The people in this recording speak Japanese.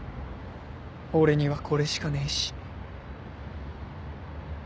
俺にはこれしかねえし。